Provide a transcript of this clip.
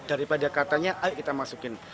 daripada katanya ayo kita masukin